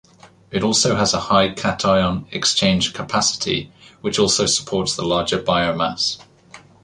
It also has a high cation-exchange capacity, which also supports the larger biomass.